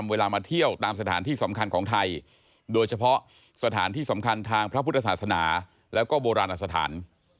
ว่าเราไม่ควรจะปีนฝ่ายโบราณสถาน